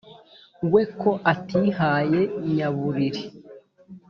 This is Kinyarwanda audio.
we ko atihaye nyabubiri